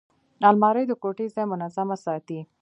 الماري د کوټې ځای منظمه ساتي